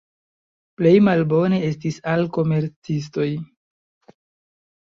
Plej malbone estis al komercistoj.